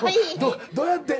どうやってん？